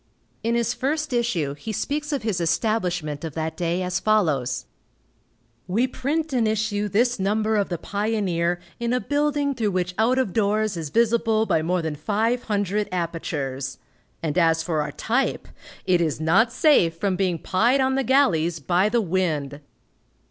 In his first issue he speaks of his establishment of that day, as follows: "We print and issue this number of the Pioneer in a building through which out of doors is visible by more than five hundred apertures; and as for our type, it is not safe from being pied on the galleys by the wind."